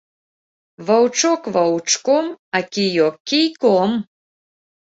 Ваўчок ваўчком, а кіёк кійком.